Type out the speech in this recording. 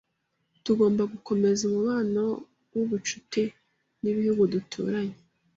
Tugomba gukomeza umubano wubucuti nibihugu duturanye.